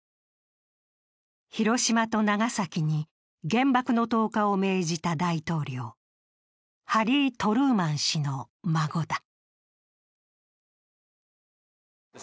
広島と長崎に原爆の投下を命じた大統領、ハリー・トルーマン氏の孫だ。